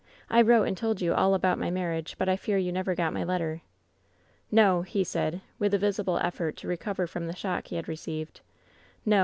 I wrote and told you all about my mar riage, but I fear you never got my letter.' " 'No,' he said, with a visible effort to recover from the shock he had received ; ^o.